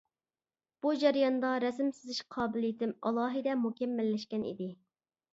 بۇ جەرياندا رەسىم سىزىش قابىلىيىتىم ئالاھىدە مۇكەممەللەشكەن ئىدى.